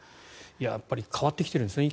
やっぱり変わってきているんですね。